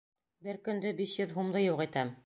Бер көндө биш йөҙ һумды юҡ итәм.